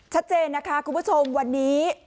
ชัดเจนนะคะคุณผู้ชมวันนี้